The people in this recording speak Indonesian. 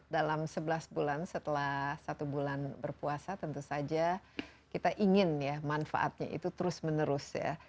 dalam sebelas bulan setelah satu bulan berpuasa tentu saja kita ingin ya manfaatnya itu terus menerus ya